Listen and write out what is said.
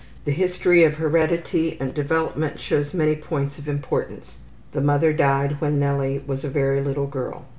The history of heredity and development shows many points of importance. The mother died when Nellie was a very little girl.